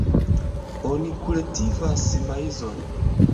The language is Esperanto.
Oni kultivas maizon.